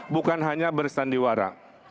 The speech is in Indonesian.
bukan hanya berstandiwara